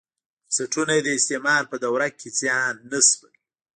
بنسټونه یې د استعمار په دوره کې زیان نه شول.